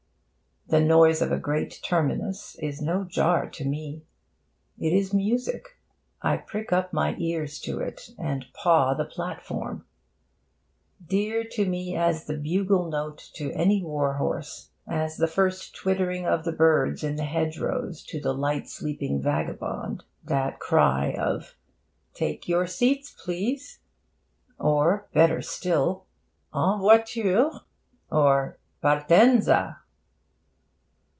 The noise of a great terminus is no jar to me. It is music. I prick up my ears to it, and paw the platform. Dear to me as the bugle note to any war horse, as the first twittering of the birds in the hedgerows to the light sleeping vagabond, that cry of 'Take your seats please!' or better still 'En voiture!' or 'Partenza!'